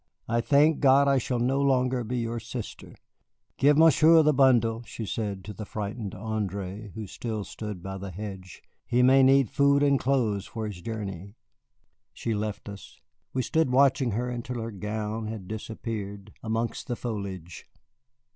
I thank God I shall no longer be your sister. Give Monsieur the bundle," she said to the frightened André, who still stood by the hedge; "he may need food and clothes for his journey." She left us. We stood watching her until her gown had disappeared amongst the foliage.